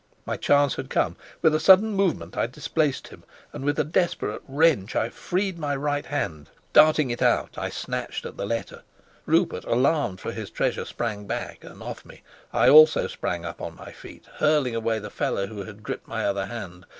My chance had come. With a sudden movement I displaced him, and with a desperate wrench I freed my right hand. Darting it out, I snatched at the letter. Rupert, alarmed for his treasure, sprang back and off me. I also sprang up on my feet, hurling away the fellow who had gripped my other hand.